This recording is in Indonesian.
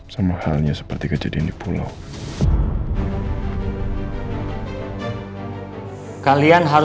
sama halnya seperti kejadian di pulau